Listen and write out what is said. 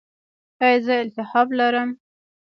ایا زه التهاب لرم؟